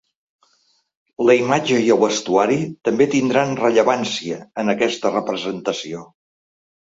La imatge i el vestuari també tindran rellevància en aquesta representació.